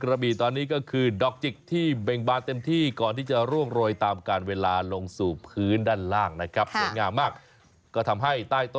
อ่าได้ผมมีบรรยากาศมา